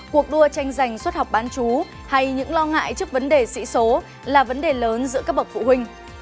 cuộc đua tranh giành xuất học bán chú hay những lo ngại trước vấn đề sĩ số là vấn đề lớn giữa các bậc phụ huynh